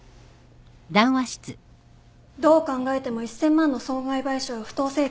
どう考えても１，０００万の損害賠償は不当請求。